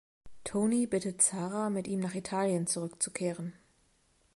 Toni bittet Zara, mit ihm nach Italien zurückzukehren.